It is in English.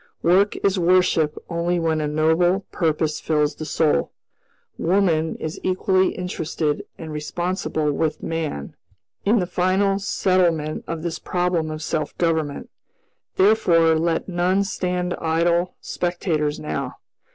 Work is worship only when a noble purpose fills the soul. Woman is equally interested and responsible with man in the final settlement of this problem of self government; therefore let none stand idle spectators now.